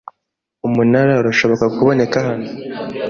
Umunara urashobora kuboneka hano.